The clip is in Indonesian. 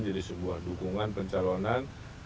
jadi sebuah dukungan pencaronan